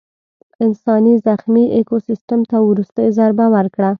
انسان زخمي ایکوسیستم ته وروستۍ ضربه ورکړه.